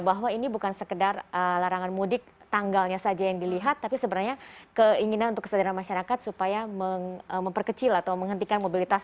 bahwa ini bukan sekedar larangan mudik tanggalnya saja yang dilihat tapi sebenarnya keinginan untuk kesadaran masyarakat supaya memperkecil atau menghentikan mobilitas